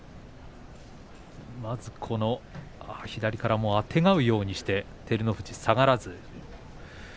左からあてがうようにして照ノ富士、下がらずに。